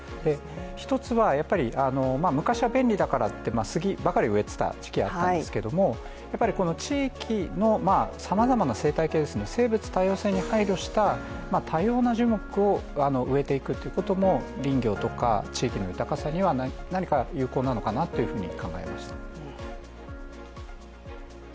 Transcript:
１つは、昔は便利だからって、スギばかり植えていた時期があったんですけど、やっぱり地域のさまざまな生態系生物多様性に対応した多様な樹木を植えていく林業とか地域の豊かさには何か有効なのかなと考えました。